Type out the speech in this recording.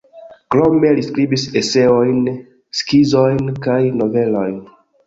Krome li skribis eseojn, skizojn kaj novelojn.